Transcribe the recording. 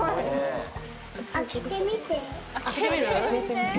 開けてみる？